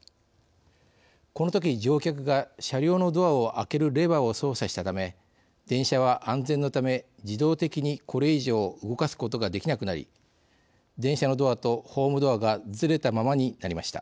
このとき乗客が車両のドアを開けるレバーを操作したため電車は安全のため自動的にこれ以上動かすことができなくなり電車のドアとホームドアがずれたままになりました。